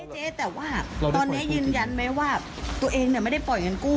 เจ๊แต่ว่าตอนนี้ยืนยันไหมว่าตัวเองไม่ได้ปล่อยเงินกู้